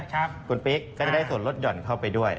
คุณปิ๊กก็จะได้ส่วนลดหย่อนเข้าไปด้วย